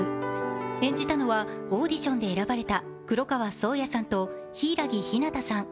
演じたのはオーディションで選ばれた黒川想矢さんと柊木陽太さん。